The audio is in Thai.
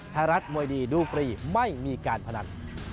ไทยรัฐมวยดีดูฟรีไม่มีการพนัน